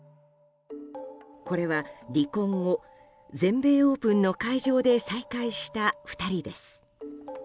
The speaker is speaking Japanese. これは、離婚後全米オープンの会場で再会した２人です。